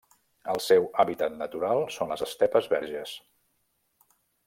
El seu hàbitat natural són les estepes verges.